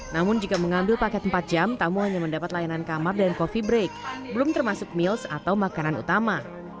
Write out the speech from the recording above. namun jika mengambil paket empat jam tamu hanya mendapat layanan kamar dan coffee break belum termasuk meals atau makanan utama